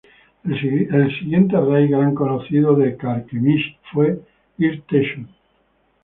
El siguiente rey gran conocido de Karkemish fue Ir-Teshub.